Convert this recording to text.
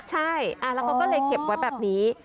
ใช่แล้วเขาก็เลยเก็บไว้แบบนี้